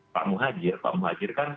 pak muhajir pak muhajir kan